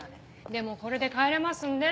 でもこれで帰れますんで。